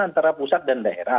antara pusat dan daerah